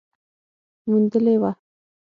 موندلې وه